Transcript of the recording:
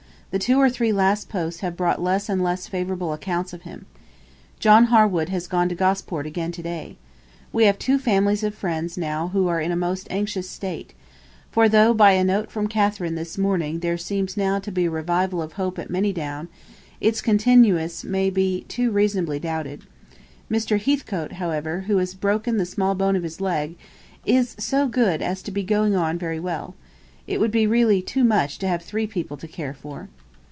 The two or three last posts have brought less and less favourable accounts of him. John Harwood has gone to Gosport again to day. We have two families of friends now who are in a most anxious state; for though by a note from Catherine this morning there seems now to be a revival of hope at Manydown, its continuance may be too reasonably doubted. Mr. Heathcote, {66a} however, who has broken the small bone of his leg, is so good as to be going on very well. It would be really too much to have three people to care for.